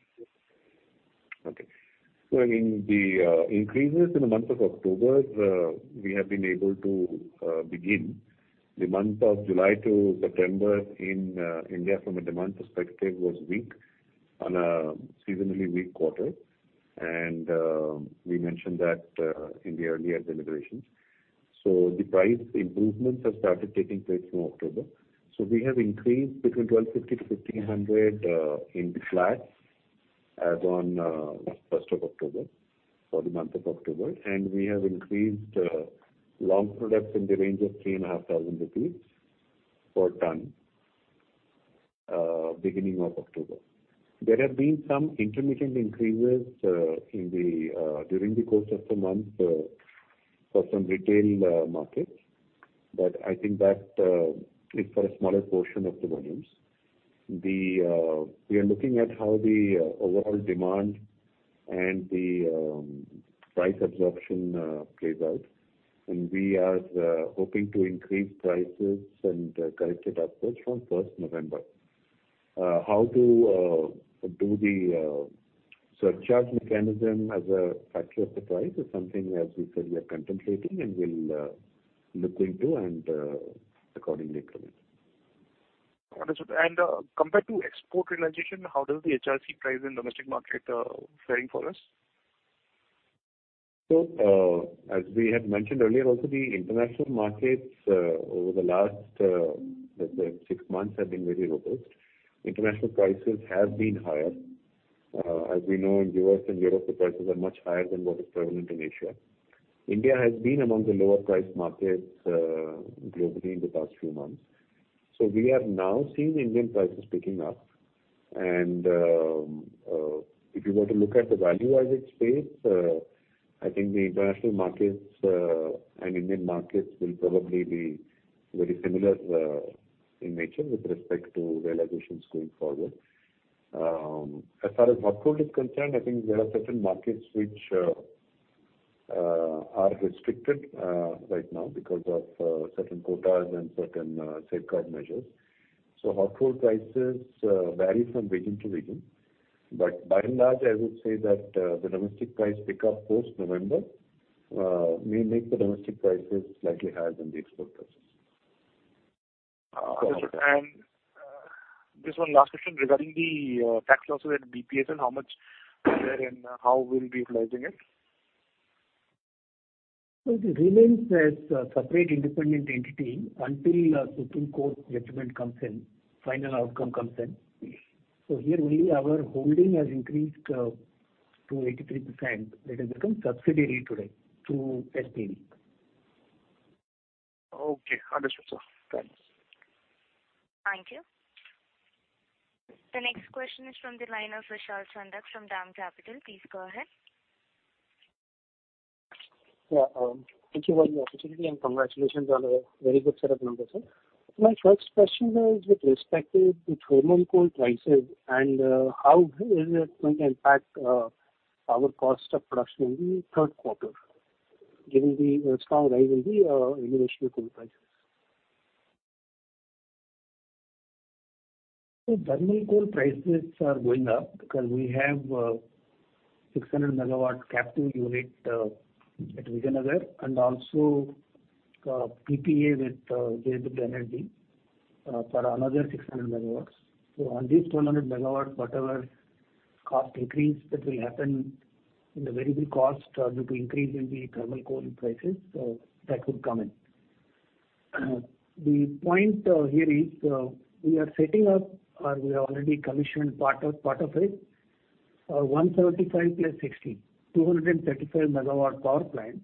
Okay. In the increases in the month of October, we have been able to begin. The month of July to September in India from a demand perspective was weak on a seasonally weak quarter, and we mentioned that in the earlier deliberations. The price improvements have started taking place from October. We have increased between 1,250-1,500 in the flats as on 1st October for the month of October. We have increased long products in the range of 3,500 rupees per ton beginning of October. There have been some intermittent increases during the course of the month for some retail markets. I think that is for a smaller portion of the volumes. We are looking at how the overall demand and the price absorption plays out, and we are hoping to increase prices and collect it upwards from 1st November. How to do the surcharge mechanism as a factor of the price is something as we said we are contemplating and will look into and accordingly comment. Understood. Compared to export realization, how does the HRC price in domestic market faring for us? As we had mentioned earlier also, the international markets over the last six months have been very robust. International prices have been higher. As we know, in U.S. and Europe, the prices are much higher than what is prevalent in Asia. India has been among the lower price markets globally in the past few months. We are now seeing Indian prices picking up. If you were to look at the value added space, I think the international markets and Indian markets will probably be very similar in nature with respect to realizations going forward. As far as hot rolled is concerned, I think there are certain markets which are restricted right now because of certain quotas and certain safeguard measures. Hot rolled prices vary from region to region. By and large, I would say that the domestic price pickup post November may make the domestic prices slightly higher than the export prices. Understood. Just one last question regarding the tax losses at BPSL, how much is there and how we'll be utilizing it? It remains as a separate independent entity until Supreme Court judgment comes in, final outcome comes in. Here only our holding has increased to 83%. It has become subsidiary today to SPV. Okay, understood, sir. Thanks. Thank you. The next question is from the line of Vishal Chandak from DAM Capital. Please go ahead. Yeah. Thank you for the opportunity. Congratulations on a very good set of numbers. My first question was with respect to the thermal coal prices and how is it going to impact our cost of production in the third quarter, given the strong rise in the international coal prices. Thermal coal prices are going up because we have a 600 MW captive unit at Vijayanagar and also PPA with JSW Energy for another 600 MW. On these 1,200 MW, whatever cost increase that will happen in the variable cost due to increase in the thermal coal prices, so that would come in. The point here is, we are setting up or we have already commissioned part of it, a 235 MW power plant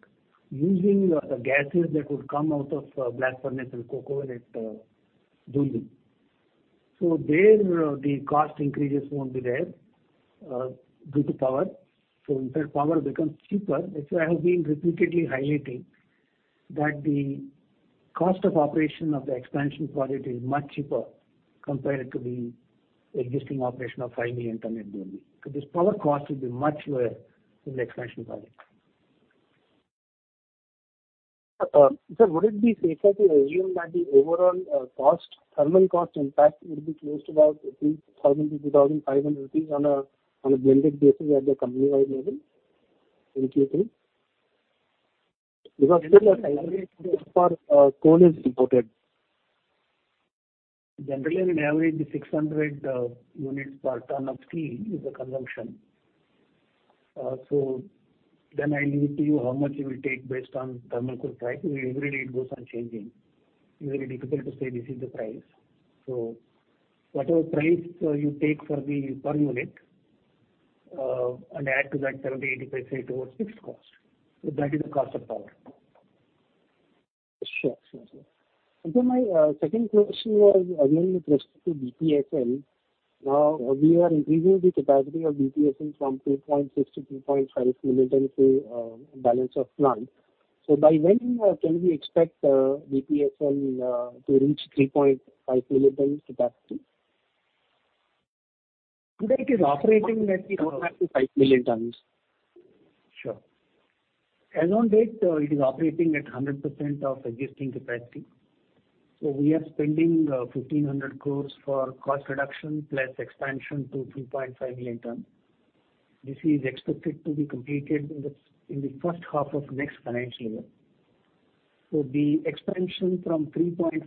using the gases that would come out of blast furnace and coke oven at Jamshedpur. There, the cost increases won't be there due to power. In fact, power becomes cheaper. That's why I have been repeatedly highlighting that the cost of operation of the expansion project is much cheaper compared to the existing operation of 5 million tons at Jamshedpur. This power cost will be much lower in the expansion project. Sir, would it be safer to assume that the overall thermal cost impact would be close to about 3,000-2,500 rupees on a blended basis at the company-wide level in Q3? Still a high rate for coal is imported. Generally, we average 600 units per ton of steel is the consumption. I leave it to you how much it will take based on thermal coal price. Every day it goes on changing. It's very difficult to say this is the price. Whatever price you take per unit and add to that 70%, 80% towards fixed cost. That is the cost of power. Sure. My second question was again with respect to BPSL. Now we are increasing the capacity of BPSL from 3.6 million tons-3.5 million tons through balance of plant. By when can we expect BPSL to reach 3.5 million tons capacity? It is operating at 3.5 million tons. Sure. As on date, it is operating at 100% of existing capacity. We are spending 1,500 crore for cost reduction, plus expansion to 3.5 million tons. This is expected to be completed in the first half of next financial year. The expansion from 3.5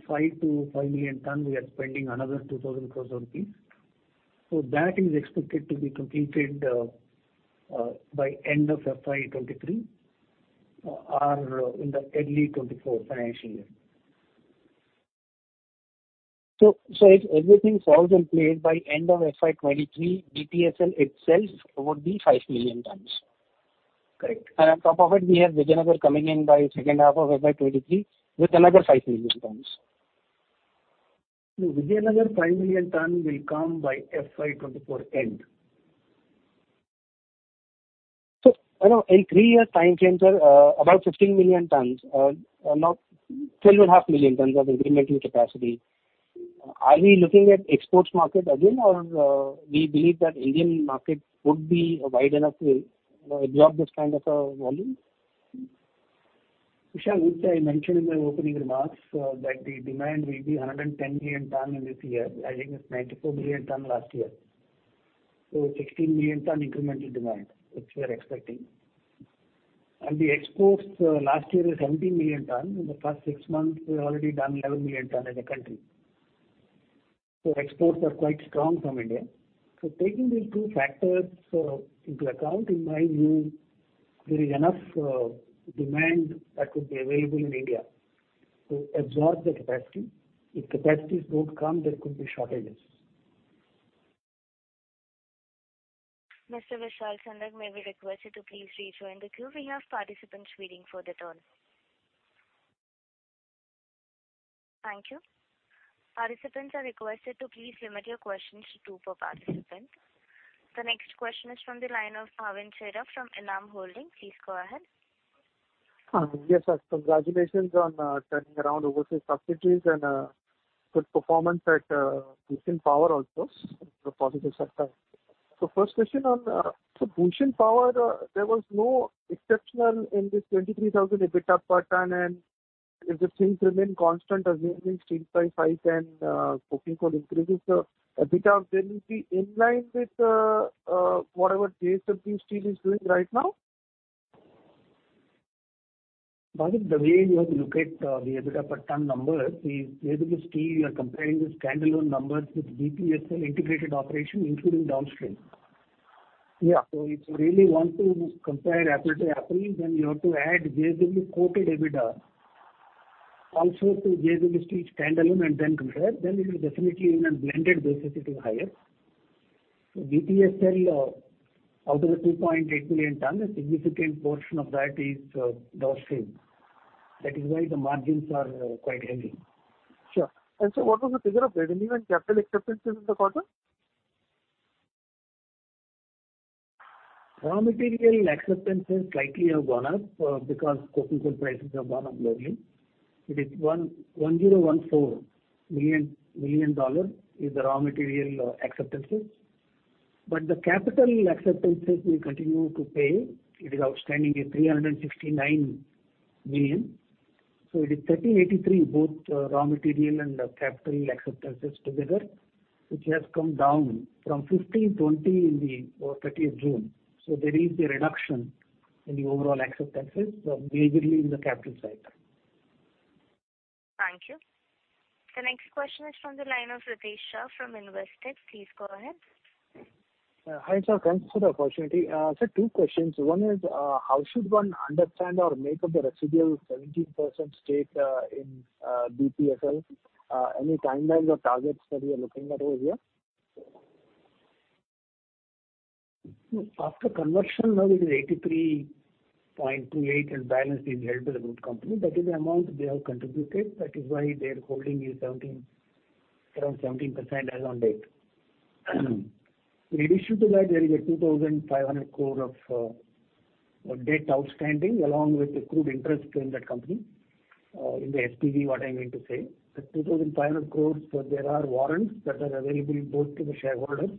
million tons-5 million tons, we are spending another 2,000 crore rupees. That is expected to be completed by end of FY 2023 or in the early FY 2024 financial year. If everything falls in place by end of FY 2023, BPSL itself would be 5 million tons. Correct. On top of it, we have Vijayanagar coming in by second half of FY 2023 with another 5 million tons. No, Vijayanagar 5 million tons will come by FY 2024 end. In three years time frame, sir, about 15 million tons or now 12.5 million tons of incremental capacity. Are we looking at exports market again, or we believe that Indian market would be wide enough to absorb this kind of a volume? Vishal, which I mentioned in my opening remarks that the demand will be 110 million tons in this year, as against 94 million tons last year. 16 million tons incremental demand, which we are expecting. The exports last year was 17 million tons. In the first six months, we've already done 11 million tons as a country. Exports are quite strong from India. Taking these two factors into account, in my view, there is enough demand that would be available in India to absorb the capacity. If capacities don't come, there could be shortages. Mr. Vishal Chandak, may we request you to please rejoin the queue. We have participants waiting for their turn. Thank you. Participants are requested to please limit your questions to two per participant. The next question is from the line of Bhavin Chheda from Enam Holdings. Please go ahead. Yes, sir. Congratulations on turning around overseas subsidiaries and good performance at Bhushan Power also. It's a positive surprise. First question on Bhushan Power, there was no exceptional in this 23,000 EBITDA per ton. If the things remain constant assuming steel price hike and coking coal increases, the EBITDA then will be in line with whatever JSW Steel is doing right now? Bhavin, the way you have to look at the EBITDA per ton numbers is JSW Steel, you are comparing the standalone numbers with BPSL integrated operation, including downstream. Yeah. If you really want to compare apple to apple, you have to add JSW Coated EBITDA also to JSW Steel standalone and then compare. It is definitely on a blended basis it is higher. BPSL out of the 2.8 million tons, a significant portion of that is downstream. That is why the margins are quite healthy. Sure. Sir, what was the figure of revenue and capital acceptances in the quarter? Raw material acceptances slightly have gone up because coking coal prices have gone up globally. It is 1,014 million is the raw material acceptances. The capital acceptances will continue to pay. It is outstanding at 369 million. It is 1,383, both raw material and capital acceptances together, which has come down from 1,520 in the 30 of June. There is a reduction in the overall acceptances, majorly in the capital side. Thank you. The next question is from the line of Ritesh Shah from Investec. Please go ahead. Hi, sir. Thanks for the opportunity. Sir, Two questions. One is, how should one understand or make up the residual 17% stake in BPSL? Any timelines or targets that you're looking at over here? After conversion now it is 83.28% and balance is held by the group company. That is the amount they have contributed. That is why their holding is around 17% as on date. In addition to that, there is a 2,500 crore of debt outstanding along with accrued interest in that company. In the SPV, what I'm going to say. That 2,500 crore, there are warrants that are available both to the shareholders.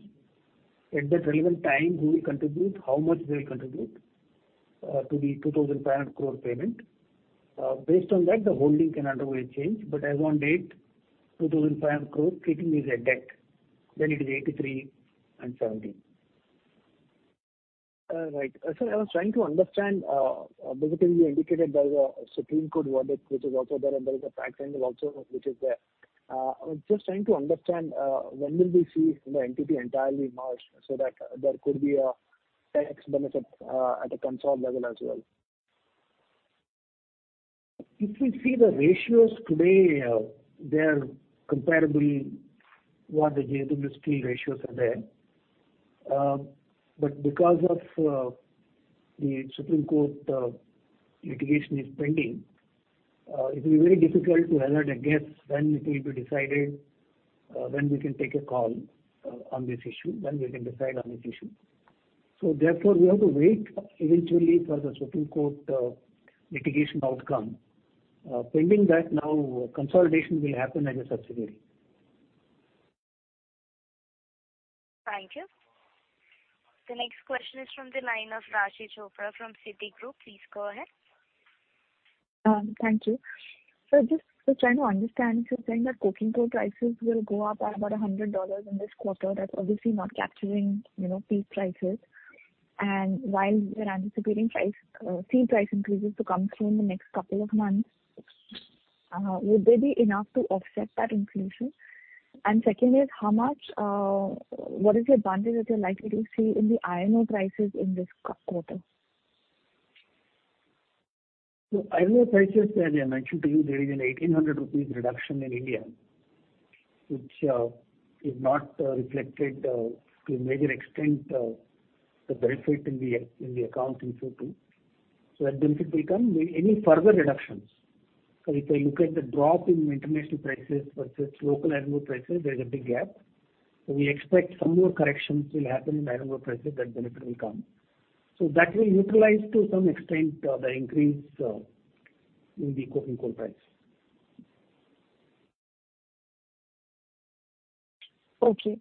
At that relevant time, who will contribute, how much they'll contribute to the 2,500 crore payment. Based on that, the holding can undergo a change, but as on date, 2,500 crore sitting is a debt. It is 83% and 17%. Right. Sir, I was trying to understand, basically you indicated by the Supreme Court verdict, which is also there and there is a fact finding also which is there. I was just trying to understand, when will we see the entity entirely merged so that there could be a tax benefit at a consolidated level as well. If you see the ratios today, they are comparable what the JSW Steel ratios are there. Because of the Supreme Court litigation is pending, it will be very difficult to hazard a guess when it will be decided, when we can take a call on this issue, when we can decide on this issue. Therefore, we have to wait eventually for the Supreme Court litigation outcome. Pending that now, consolidation will happen as a subsidiary. Thank you. The next question is from the line of Raashi Chopra from Citigroup. Please go ahead. Thank you. Just trying to understand, you're saying that coking coal prices will go up at about $100 in this quarter. That's obviously not capturing peak prices. While you're anticipating steel price increases to come through in the next couple of months, would they be enough to offset that inflation? Secondly, what is your bandwidth that you're likely to see in the iron ore prices in this quarter? Iron ore prices, as I mentioned to you, there is an 1,800 rupees reduction in India, which is not reflected to a major extent, the benefit in the account in Q2. That benefit will come with any further reductions. If I look at the drop in international prices versus local iron ore prices, there's a big gap. We expect some more corrections will happen in iron ore prices, that benefit will come. That will neutralize to some extent the increase in the coking coal price. Okay.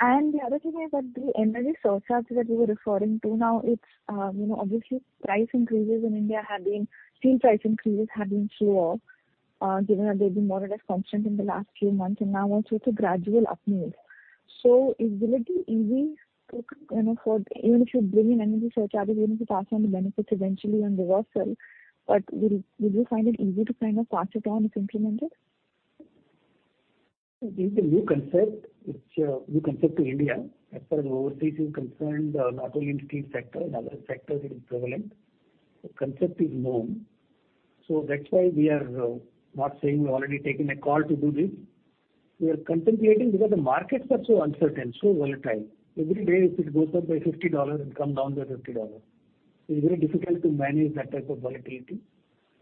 The other thing is that the energy surcharges that you were referring to now, it's obviously steel price increases in India have been slower, given that they've been more or less constant in the last few months, and now also it's a gradual up move. Will it be easy to, even if you bring in energy surcharge, you're going to pass on the benefits eventually when they are sold, but will you find it easy to pass it on if implemented? It is a new concept to India. As far as overseas is concerned, not only in steel sector, in other sectors it is prevalent. Concept is known. That's why we are not saying we've already taken a call to do this. We are contemplating because the markets are so uncertain, so volatile. Every day it goes up by $50 and comes down by $50. It's very difficult to manage that type of volatility.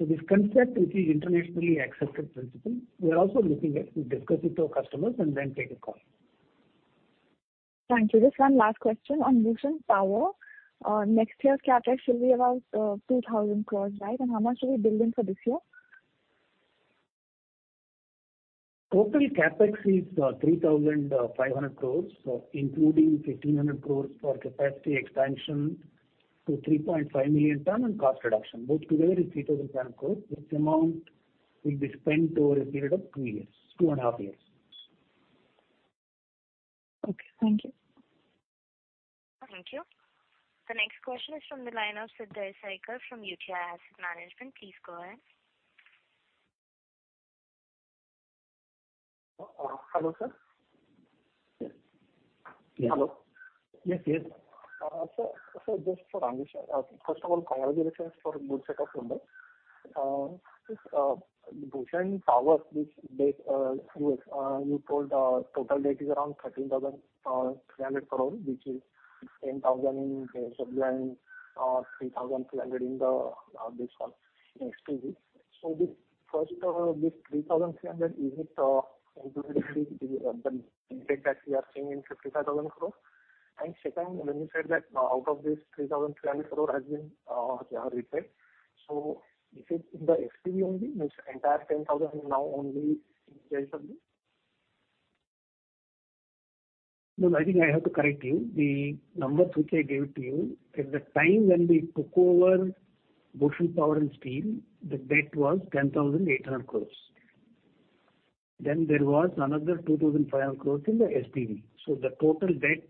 This concept, which is internationally accepted principle, we are also looking at. We'll discuss it to our customers and then take a call. Thank you. Just one last question on Bhushan Power. Next year's CapEx will be around 2,000 crores, right? How much are we building for this year? Total CapEx is 3,500 crore, including 1,500 crore for capacity expansion to 3.5 million tons and cost reduction. Both together is 3,000 crore. This amount will be spent over a period of two and a half years. Okay. Thank you. Thank you. The next question is from the line of Siddhay Saikar from UTI Asset Management. Please go ahead. Hello, sir. Yes. Hello. Yes. Sir, just for understanding. First of all, congratulations for good set of numbers. Bhushan Power, you told total debt is around 13,300 crore, which is 10,000 in JSW and 3,300 in this one, SPV. First, this 3,300, is it included in the impact that we are seeing in 55,000 crore? Second, when you said that out of this 3,300 crore has been repaid. Is it the SPV only, means entire 10,000 now only in JSW? No, I think I have to correct you. The numbers which I gave to you, at the time when we took over Bhushan Power & Steel, the debt was 10,800 crores. There was another 2,500 crores in the SPV. The total debt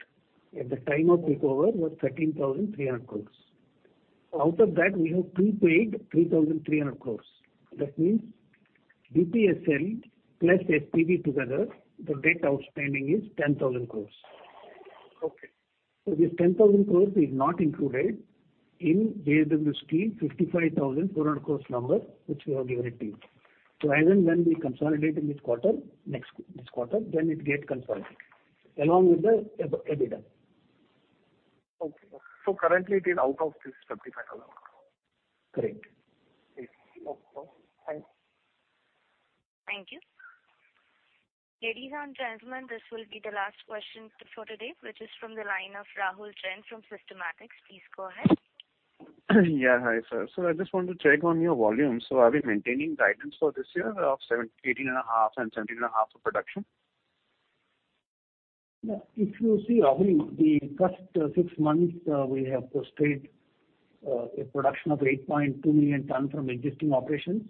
at the time of takeover was 13,300 crores. Out of that, we have prepaid 3,300 crores. That means BPSL plus SPV together, the debt outstanding is 10,000 crores. Okay. This 10,000 crores is not included in JSW Steel 55,400 crores number, which we have given it to you. When we consolidate in this quarter, then it gets consolidated along with the EBITDA. Okay. Currently it is out of this 55,000. Correct. Okay. Thanks. Thank you. Ladies and gentlemen, this will be the last question for today, which is from the line of Rahul Jain from Systematix. Please go ahead. Yeah. Hi, sir. I just want to check on your volume. Are we maintaining guidance for this year of 18.5 and 17.5 of production? If you see, Rahul, the first six months, we have posted a production of 8.2 million tons from existing operations.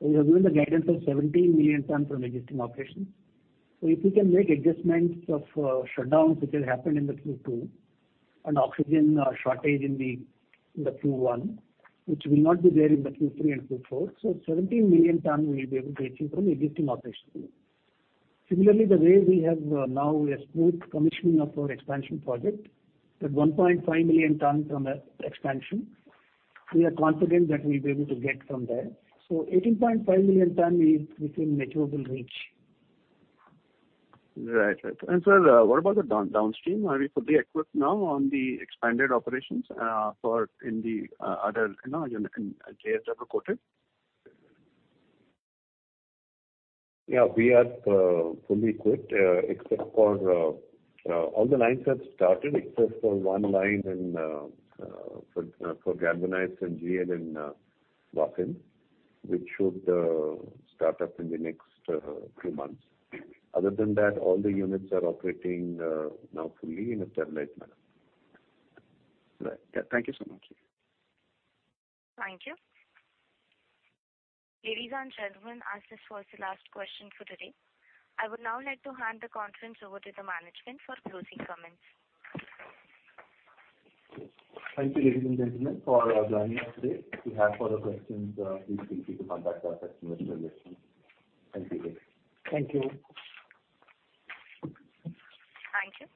We have given the guidance of 17 million tons from existing operations. If you can make adjustments of shutdowns, which has happened in the Q2, and oxygen shortage in the Q1, which will not be there in the Q3 and Q4. 17 million tons we'll be able to achieve from existing operations. Similarly, the way we have now a smooth commissioning of our expansion project, that 1.5 million tons from the expansion, we are confident that we'll be able to get from there. 18.5 million tons is within achievable reach. Right. sir, what about the downstream? Are we fully equipped now on the expanded operations in the other unit in JSW Coated? Yeah, we are fully equipped. All the lines have started except for one line for galvanize and GL in Vasind, which should start up in the next few months. Other than that, all the units are operating now fully in a stabilized manner. Right. Thank you so much. Thank you. Ladies and gentlemen, as this was the last question for today, I would now like to hand the conference over to the management for closing comments. Thank you, ladies and gentlemen, for joining us today. If you have further questions, please feel free to contact our investor relations team. Thank you. Thank you. Thank you.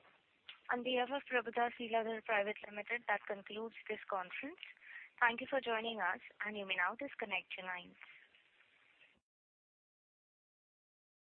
On behalf of Prabhudas Lilladher Private Limited, that concludes this conference. Thank you for joining us, and you may now disconnect your lines.